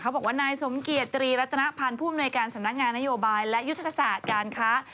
บอกว่านายสมเกียจตรีรัตนพันธ์ผู้อำนวยการสำนักงานนโยบายและยุทธศาสตร์การค้า